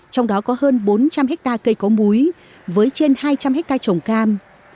trong đó có hơn bốn trăm linh hectare cây có múi với trên hai trăm linh hectare trồng cam